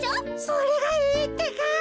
それがいいってか。